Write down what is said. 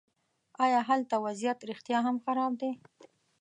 ایا هلته وضعیت رښتیا هم خراب دی.